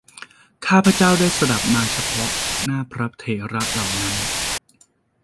ข้าพเจ้าได้สดับมาเฉพาะหน้าพระเถระเหล่านั้น